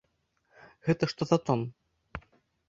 Гэта што за тон!